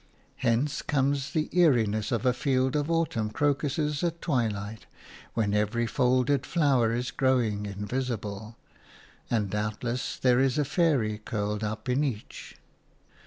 Hence comes the eeriness of a field of autumn crocuses at twilight, when every folded flower is growing invisible, and doubtless there is a fairy curled up in each.